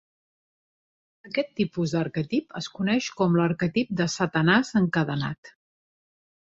Aquest tipus d'arquetip es coneix com l'arquetip de "Satanàs encadenat".